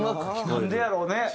なんでやろうね。